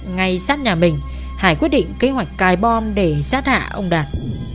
ngay sát nhà mình hải quyết định kế hoạch cài bom để sát hạ ông đạt